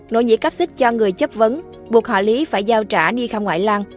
nỗ nhĩ cáp xích cho người chấp vấn buộc họ lý phải giao trả ni kham ngoại lan